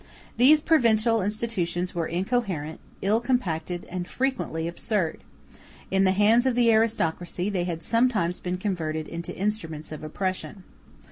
These provincial institutions were incoherent, ill compacted, and frequently absurd; in the hands of the aristocracy they had sometimes been converted into instruments of oppression.